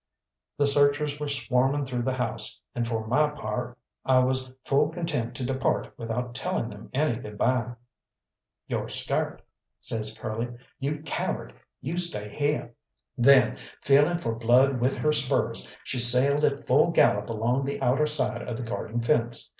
The searchers were swarming through the house, and for my part I was full content to depart without telling them any good bye. "You're scart," says Curly. "You coward! You stay heah!" Then feeling for blood with her spurs, she sailed at full gallop along the outer side of the garden fence.